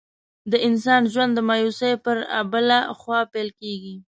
د انسان ژوند د مایوسۍ پر آبله خوا پیل کېږي.